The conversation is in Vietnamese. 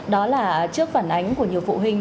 đó là trước phản ánh của nhiều phụ huynh